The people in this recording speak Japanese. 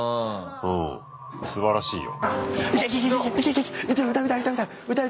うんすばらしいよ。